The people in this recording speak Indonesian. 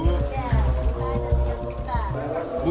iya bukanya tidak bisa